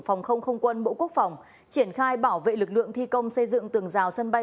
phòng không không quân bộ quốc phòng triển khai bảo vệ lực lượng thi công xây dựng tường rào sân bay